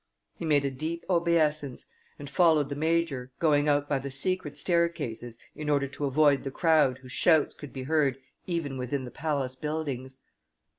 He made a deep obeisance, and followed the major, going out by the secret staircases in order to avoid the crowd whose shouts could be heard even within the palace buildings.